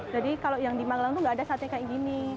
jadi kalau yang di manglang itu tidak ada sate seperti ini